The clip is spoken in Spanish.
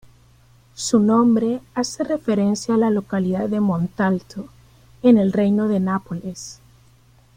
Su nombre hace referencia a la localidad de Montalto, en el reino de Nápoles.